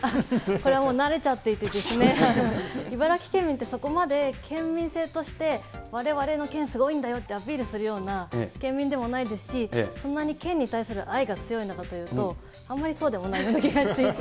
これはもう慣れちゃっていて、茨城県民ってそこまで県民性として、われわれの県、すごいんだよってアピールするような県民でもないですし、そんなに県に対する愛が強いのかというと、あんまりそうでもないような気がしていて。